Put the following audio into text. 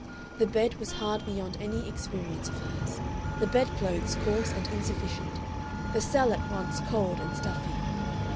The bed was hard beyond any experience of hers, the bed clothes coarse and insufficient, the cell at once cold and stuffy.